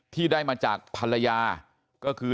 ที่ได้มาจากภรรยาก็คือ